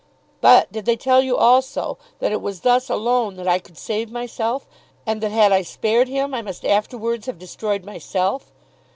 But did they tell you also that it was thus alone that I could save myself, and that had I spared him, I must afterwards have destroyed myself?